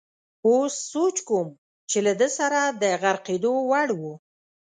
اوس سوچ کوم چې له ده سره د غرقېدو وړ وو.